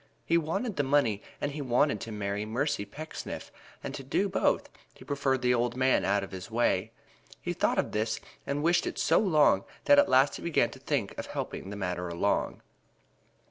He wanted the money and he wanted to marry Mercy Pecksniff, and to do both he preferred the old man out of his way. He thought of this and wished it so long that at last he began to think of helping the matter along.